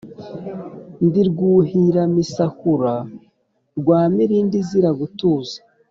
ndi Rwuhiramisakura rwa Mirindi izira gutuza.